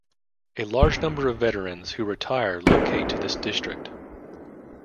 A large number of veterans who retire relocate to this district.